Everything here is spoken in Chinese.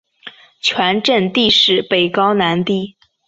全镇地势北高南低。